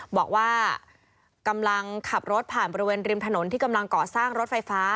บอกว่ากำลังขับรถผ่านบริเวณริมถนนที่กำลังก่อสร้างรถไฟฟ้า